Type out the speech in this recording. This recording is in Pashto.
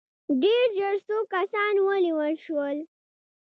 ډېر ژر څو کسان ونیول شول.